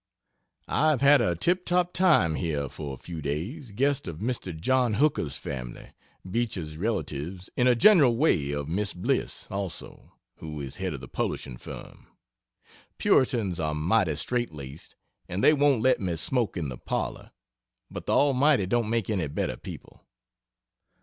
I have had a tip top time, here, for a few days (guest of Mr. Jno. Hooker's family Beecher's relatives in a general way of Mr. Bliss, also, who is head of the publishing firm.) Puritans are mighty straight laced and they won't let me smoke in the parlor, but the Almighty don't make any better people.